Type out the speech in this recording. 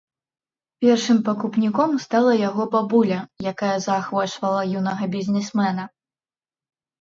Першым пакупніком стала яго бабуля, якая заахвочвала юнага бізнесмена.